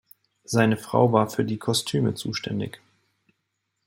Seine Frau war für die Kostüme zuständig.